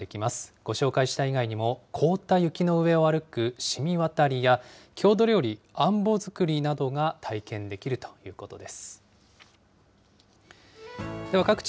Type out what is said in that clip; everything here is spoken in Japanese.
ご紹介した以外にも、凍った雪の上を歩くしみわたりや、郷土料理、あんぼ作りなどが体験できるということです。